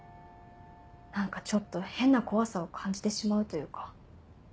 何かちょっと変な怖さを感じてしまうというか。